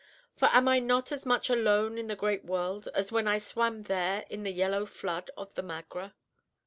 For am I not as much alone in the great world as when I swam there in the yellow flood of the Magra?